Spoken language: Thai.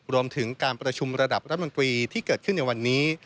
รวมถึงการประชุมระดับรัฐมนตรีที่เกิดขึ้นในวันนี้